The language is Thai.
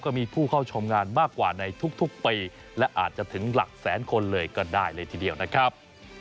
ก็มีผู้เข้าชมงานมากกว่าในทุกปีและอาจจะถึงหลักแสนคนเลยก็ได้เลยทีเดียวนะครับ